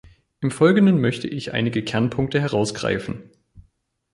Im Folgenden möchte ich einige Kernpunkte herausgreifen.